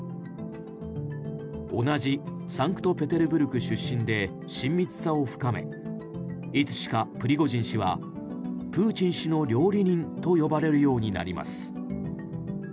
同じサンクトペテルブルク出身で親密さを深めいつしかプリゴジン氏はプーチン氏の料理人と呼ばれるようになります。